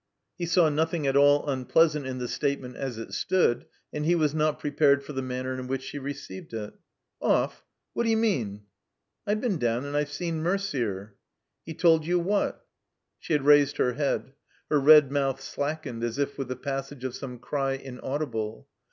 He saw nothing at all unpleasant in the statement as it stood, and he was not prepared for the maimer in which she received it. "Off? What d'you mean?" "I've been down and I've seen Merder." "He told you what?" She had raised her head. Her red mouth slackened as if with the passage of some cry inaudible.